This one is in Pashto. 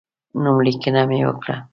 نوملیکنه مې وکړه.